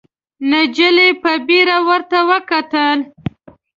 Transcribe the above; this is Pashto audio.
نجلۍ په بيړه ورته وکتل.